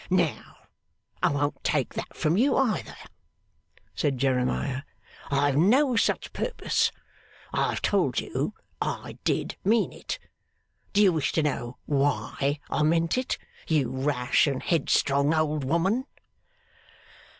'Now, I won't take that from you either,' said Jeremiah. 'I have no such purpose. I have told you I did mean it. Do you wish to know why I meant it, you rash and headstrong old woman?